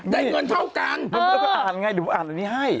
ได้เงินเท่ากันดูอยู่มันอ่านดูอ่านอันนี้ให้